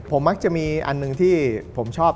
ผมมักจะมีอันหนึ่งที่ผมชอบ